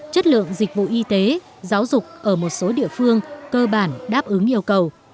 chất lượng dịch vụ y tế giáo dục ở một số địa phương cơ bản đáp ứng yêu cầu